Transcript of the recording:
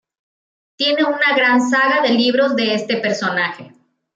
Tiene una gran saga de libros de este personaje.